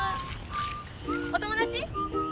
お友達？